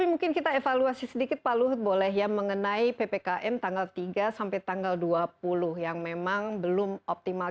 mungkin kita evaluasi sedikit pak luhut boleh ya mengenai ppkm tanggal tiga sampai tanggal dua puluh yang memang belum optimal